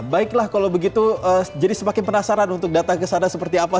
baiklah kalau begitu jadi semakin penasaran untuk datang ke sana seperti apa